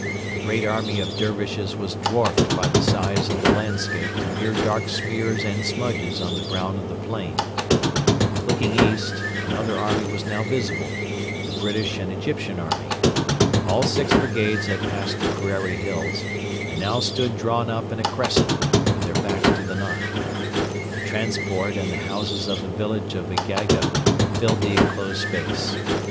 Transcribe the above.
The great army of Dervishes was dwarfed by the size of the landscape to mere dark smears and smudges on the brown of the plain. Looking east, another army was now visible the British and Egyptian army. All six brigades had passed the Kerreri Hills, and now stood drawn up in a crescent, with their backs to the Nile. The transport and the houses of the village of Egeiga filled the enclosed space.